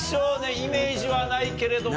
イメージはないけれども。